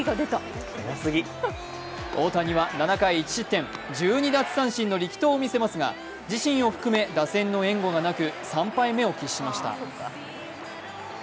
大谷は７回１失点、１２奪三振の力投を見せますが、自身を含め打線の援護がなく３敗目を喫しました。